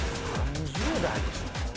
３０代でしょ。